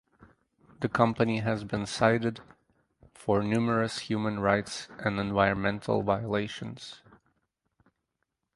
The company has been cited for numerous human rights and environmental violations.